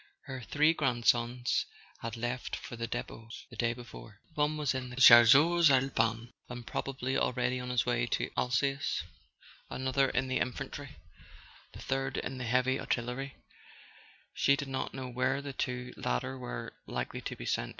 Her three grandsons had left for their depots the day before: one was in the Chas¬ seurs Alpins , and probably already on his way to Al¬ sace, another in the infantry, the third in the heavy artillery; she did not know where the two latter were likely to be sent.